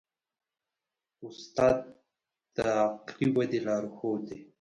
استاد د عقلي ودې لارښود دی.